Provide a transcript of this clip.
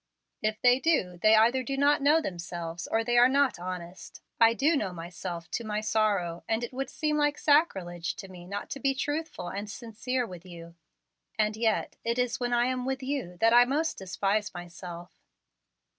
"If they do, they either do not know themselves, or they are not honest. I do know myself, to my sorrow, and it would seem like sacrilege to me not to be truthful and sincere with you. And yet it is when I am with you that I most despise myself."